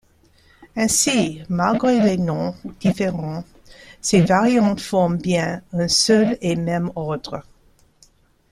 Ainsi, malgré les noms différents, ces variantes forment bien un seul et même ordre.